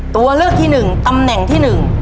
ตัวเลือกที่หนึ่งตำแหน่งที่๑